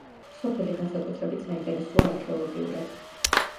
სოფელი განსაკუთრებით საინტერესოა არქეოლოგიურად.